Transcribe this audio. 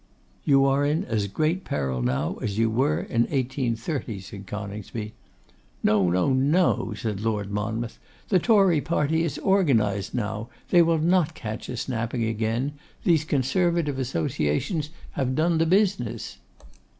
'You are in as great peril now as you were in 1830,' said Coningsby. 'No, no, no,' said Lord Monmouth; 'the Tory party is organised now; they will not catch us napping again: these Conservative Associations have done the business.